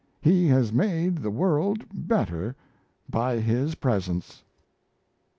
He has made the world better by his presence." IV.